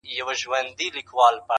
o گوجر ته بوره ښه ده٫